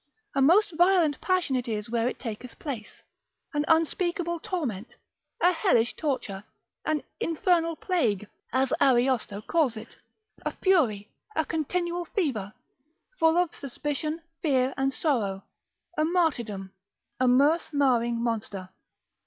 A most violent passion it is where it taketh place, an unspeakable torment, a hellish torture, an infernal plague, as Ariosto calls it, a fury, a continual fever, full of suspicion, fear, and sorrow, a martyrdom, a mirth marring monster.